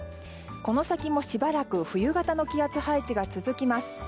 この先もしばらく冬型の気圧配置が続きます。